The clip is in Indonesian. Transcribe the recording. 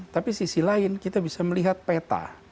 tapi sisi lain kita bisa melihat peta